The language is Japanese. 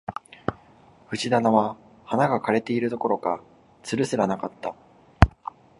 藤棚は花が枯れているどころか、蔓すらなかった